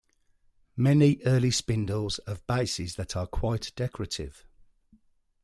Many early spindles have bases that are quite decorative.